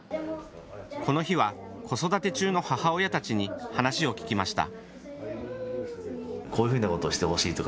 この日は子育て中の母親たちに話を聞きました。